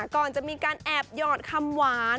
ก่อนจะมีการแอบหยอดคำหวาน